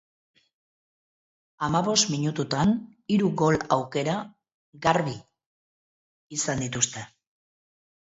Hamabost minututan hiru gol aukera garbi izan dituzte.